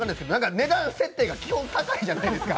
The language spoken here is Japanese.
値段設定が基本高いじゃないですか。